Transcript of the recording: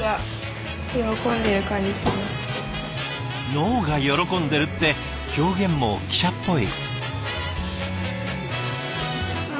脳が喜んでるって表現も記者っぽい。